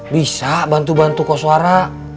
bisa bantu bantu koswara